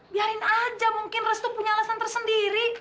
biarin aja mungkin restu punya alasan tersendiri